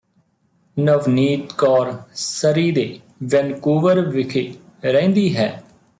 Navneet Kaur Surrey ਦੇ Vancouver ਵਿਖੇ ਰਹਿੰਦੀ ਹੈ